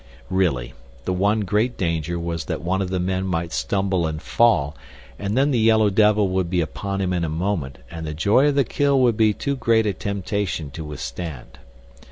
Really, the one great danger was that one of the men might stumble and fall, and then the yellow devil would be upon him in a moment and the joy of the kill would be too great a temptation to withstand.